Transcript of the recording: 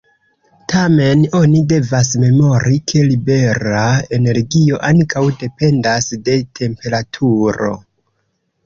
Tamen, oni devas memori ke libera energio ankaŭ dependas de temperaturo.